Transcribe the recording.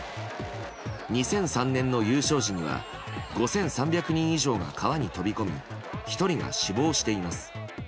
２００３年の優勝時は５３００人以上が川に飛び込み１人が死亡しています。